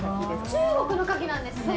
中国のカキなんですね。